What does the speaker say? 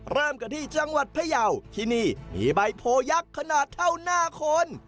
เริ่มกันที่จังหวัดพยาวที่นี่มีใบโพยักษ์ขนาดเท่าหน้าคน